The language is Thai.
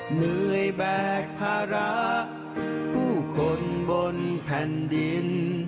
เหนื่อยแบกภาระผู้คนบนแผ่นดิน